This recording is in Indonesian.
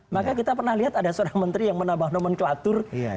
maka kita pernah lihat ada seorang menteri yang menambah nomenklatur